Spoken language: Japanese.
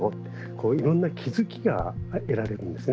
こういろんな気付きが得られるんですね。